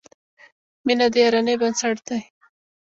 • مینه د یارانې بنسټ دی.